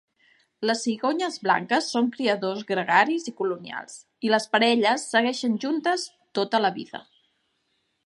Les cigonyes blanques són criadors gregaris i colonials, i les parelles segueixen juntes tota la vida.